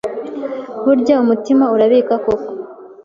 burya umutima urabika koko